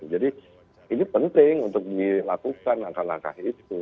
jadi ini penting untuk dilakukan angka angka itu